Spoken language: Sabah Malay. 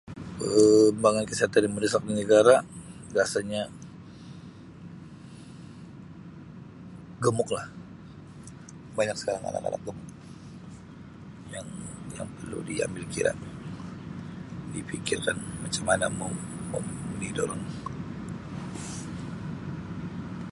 Um Kebimbangan kesihatan yang merosakkan negara biasanya gemuk lah banyak sekarang anak-anak gemuk, yang-yang perlu diambil kira dipikirkan macam mana mau me [unintelligible] durang.